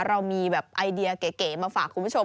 เรามีแบบไอเดียเก๋มาฝากคุณผู้ชม